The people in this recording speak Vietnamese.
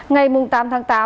ngày tám tháng tám